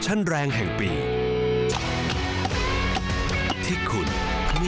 ต้นกลายอยู่แล้ว